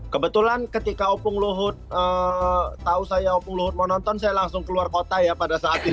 kebetulan ketika opung luhut tahu saya opung luhut mau nonton saya langsung keluar kota ya pada saat ini